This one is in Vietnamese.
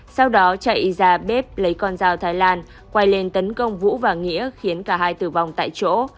sau đó chạy ra bếp lấy con dao thái lan quay lên tấn công vũ và nghĩa khiến cả hai tử vong tại chỗ